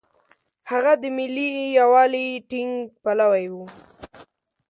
هغه د ملي یووالي ټینګ پلوی و.